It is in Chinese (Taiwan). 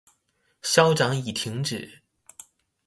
消長已停止